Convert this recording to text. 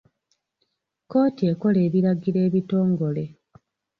Kkooti ekola ebiragiro ebitongole.